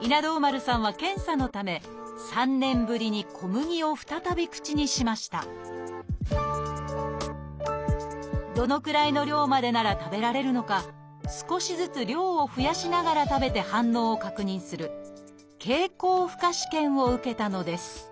稲童丸さんは検査のため３年ぶりに小麦を再び口にしましたどのくらいの量までなら食べられるのか少しずつ量を増やしながら食べて反応を確認する「経口負荷試験」を受けたのです